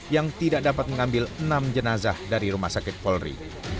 yang tidak dapat mengambil enam jenazah dari rumah sakit polri